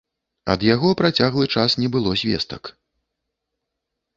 Ад яго працяглы час не было звестак.